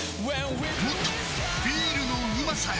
もっとビールのうまさへ！